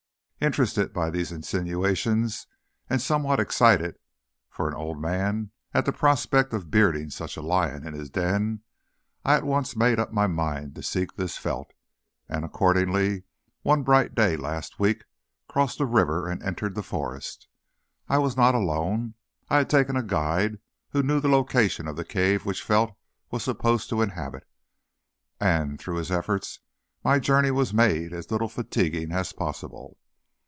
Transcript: Interested by these insinuations, and somewhat excited, for an old man, at the prospect of bearding such a lion in his den, I at once made up my mind to seek this Felt; and accordingly one bright day last week crossed the river and entered the forest. I was not alone. I had taken a guide who knew the location of the cave which Felt was supposed to inhabit, and through his efforts my journey was made as little fatiguing as possible.